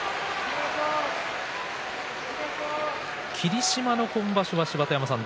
霧島の今場所は芝田山さん